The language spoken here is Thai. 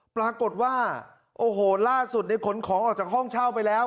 ปรากฏว่าโอ้โหล่าสุดได้ขนของออกจากห้องเช่าไปแล้ว